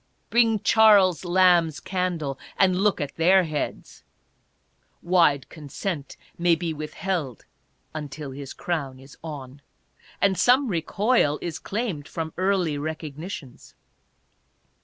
Bring Charles Lamb's candle, and look at their heads ! Wide consent may be withheld, until his crown is on. And some recoil is claimed from early recognitions.